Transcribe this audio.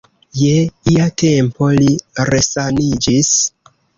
Je ia tempo li resaniĝis.